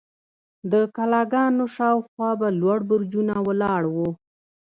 د کلاګانو شاوخوا به لوړ برجونه ولاړ وو.